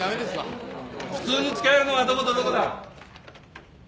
普通に使えるのはどことどこだ？